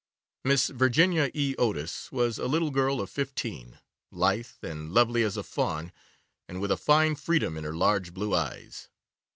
Miss Virginia E. Otis was a little girl of fifteen, lithe and lovely as a fawn, and with a fine freedom in her large blue eyes.